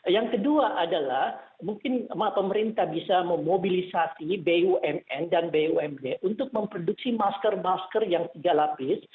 yang kedua adalah mungkin pemerintah bisa memobilisasi bumn dan bumd untuk memproduksi masker masker yang tiga lapis